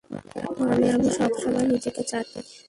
মানে, আমি সবসময় নিজেকে চাটি।